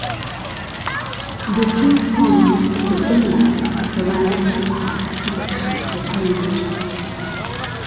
The two ponds of the inlet are surrounded by parks and expensive homes.